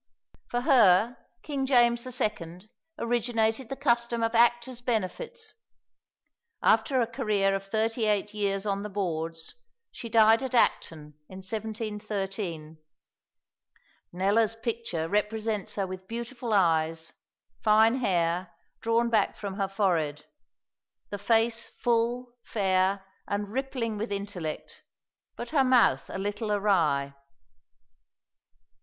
For her King James II. originated the custom of actors' benefits. After a career of thirty eight years on the boards, she died at Acton in 1713. Kneller's picture represents her with beautiful eyes, fine hair drawn back from her forehead, "the face full, fair, and rippling with intellect," but her mouth a little awry.